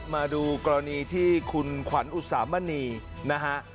มาดูกรณีที่คุณขวัญอุสามณีนะฮะ